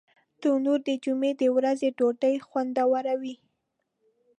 تنور د جمعې د ورځې ډوډۍ خوندوروي